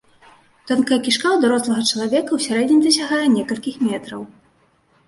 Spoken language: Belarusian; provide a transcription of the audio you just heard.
Тонкая кішка у дарослага чалавека ў сярэднім дасягае некалькіх метраў.